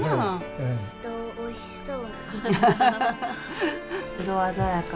おいしそう。